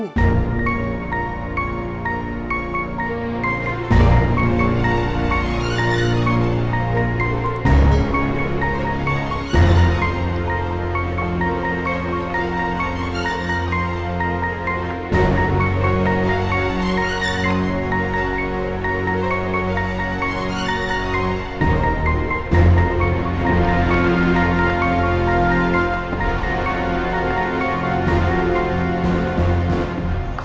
ketemunggungan ini adalah kekecewaan